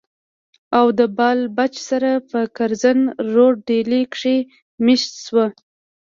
او د بال بچ سره پۀ کرزن روډ ډيلي کښې ميشته شو